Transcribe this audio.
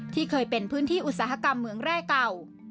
ที่เคยเป็นพื้นที่อุตสาหกรรมเมืองแร่เก่า